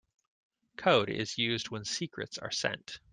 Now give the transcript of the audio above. Code is used when secrets are sent.